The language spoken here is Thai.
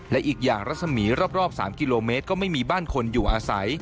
และอีกอย่างรัศมีรอบ๓กิโลเมตรก็ไม่มีบ้านคนอยู่อาศัย